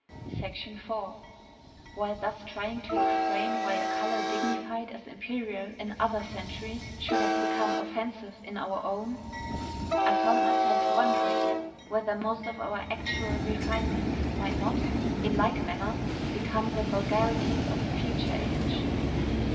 IV While thus trying to explain why a color dignified as imperial in other centuries should have become offensive in our own, I found myself wondering whether most of our actual refinements might not in like manner become the vulgarities of a future age.